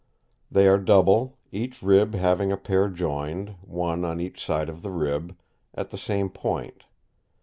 They are double, each rib having a pair joined, one on each side of the rib, at the same point.